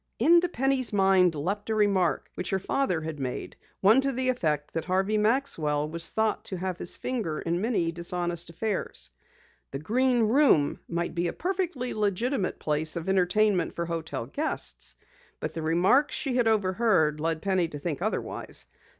Into Penny's mind leaped a remark which her father had made, one to the effect that Harvey Maxwell was thought to have his finger in many dishonest affairs. The Green Room might be a perfectly legitimate place of entertainment for hotel guests, but the remarks she had overheard led Penny to think otherwise.